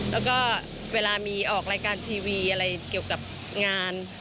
แล้วก็เวลามีออกรายการทีวีอะไรเกี่ยวกับงาน